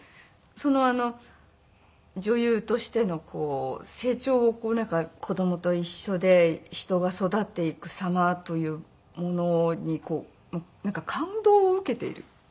その女優としての成長を子供と一緒で人が育っていく様というものに感動を受けている。